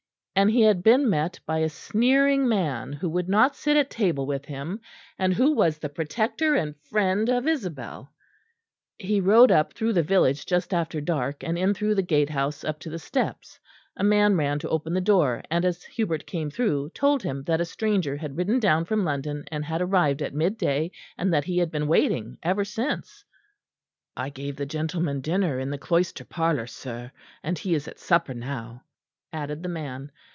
And he had been met by a sneering man who would not sit at table with him, and who was the protector and friend of Isabel. He rode up through the village just after dark and in through the gatehouse up to the steps. A man ran to open the door, and as Hubert came through told him that a stranger had ridden down from London and had arrived at mid day, and that he had been waiting ever since. "I gave the gentleman dinner in the cloister parlour, sir; and he is at supper now," added the man.